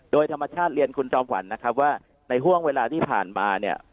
โดยธรรมชาติเรียนคุณจอมขวัญนะครับว่าในห่วงเวลาที่ผ่านมาเนี่ย